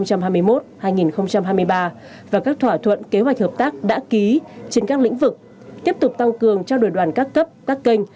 và các thỏa thuận kế hoạch hợp tác đã ký trên các lĩnh vực tiếp tục tăng cường trao đổi đoàn các cấp các kênh